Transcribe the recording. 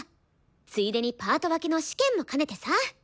ついでにパート分けの試験も兼ねてさ！